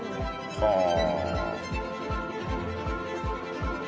はあ！